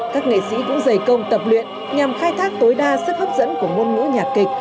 các nghệ sĩ cũng dày công tập luyện nhằm khai thác tối đa sức hấp dẫn của ngôn ngữ nhạc kịch